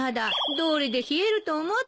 どうりで冷えると思った。